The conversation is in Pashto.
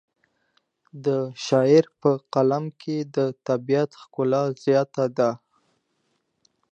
د شاعر په کلام کې د طبیعت ښکلا ډېره زیاته ده.